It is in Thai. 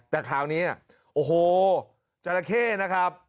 แต่คราวนี้โอ้โหจราเข้นะครับ